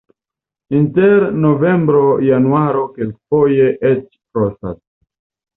Inter novembro-januaro kelkfoje eĉ frostas.